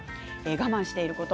我慢していること